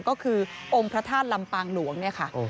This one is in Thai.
ก็คือองค์พระธาตุลำปางหลวงเนี่ยค่ะ